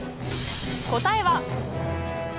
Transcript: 答えは？